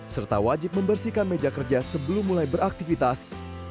serta wajib membersihkan meja kerja sebelum mulai beraktivitas